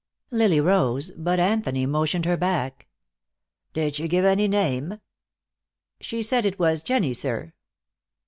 Lily rose, but Anthony motioned her back. "Did she give any name?" "She said to say it was Jennie, sir."